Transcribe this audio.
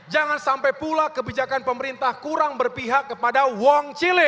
jangan sampai pula kebijakan pemerintah kurang berpihak kepada uang cile